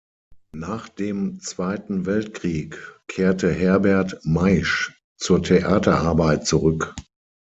Nach dem Zweiten Weltkrieg kehrte Herbert Maisch zur Theaterarbeit zurück.